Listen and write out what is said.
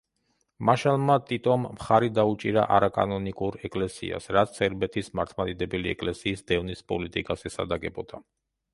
მარშალმა ტიტომ მხარი დაუჭირა არაკანონიკურ ეკლესიას, რაც სერბეთის მართლმადიდებელი ეკლესიის დევნის პოლიტიკას ესადაგებოდა.